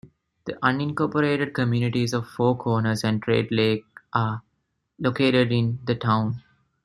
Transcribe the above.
The unincorporated communities of Four Corners and Trade Lake are located in the town.